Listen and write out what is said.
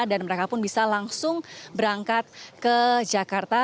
dan mereka pun bisa langsung berangkat ke jakarta